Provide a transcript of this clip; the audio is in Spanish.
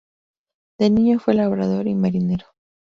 De niño fue labrador y marinero.